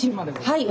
はい。